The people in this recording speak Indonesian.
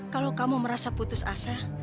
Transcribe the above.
kalau kamu merasa putus asa